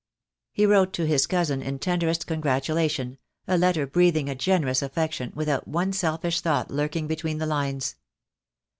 He wrote to his cousin, in tenderest congratulation, a letter breathing a generous affection, without one selfish thought lurking between the lines.